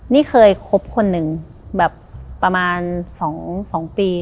นี่เคยคบคนหนึ่งแบบประมาณ๒ปี